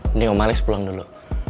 mending om alex pulang dulu